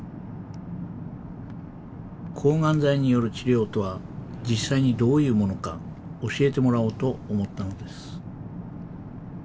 抗がん剤による治療とは実際にどういうものか教えてもらおうと思ったのです